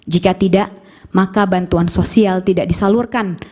jika tidak maka bantuan sosial tidak disalurkan